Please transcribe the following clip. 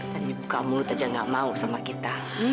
tapi ibu kamu lu tajang nggak mau sama kita